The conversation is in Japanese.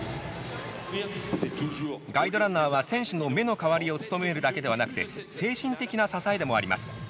ガイドランナーは、選手の目の代わりを務めるだけではなくて精神的な支えでもあります。